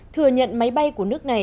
thừa nhận máy bay của nước này